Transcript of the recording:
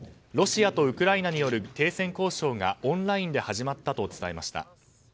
ロシアとウクライナによる停戦交渉がオンラインで始まったと伝えました。